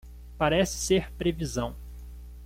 Parece ser previsão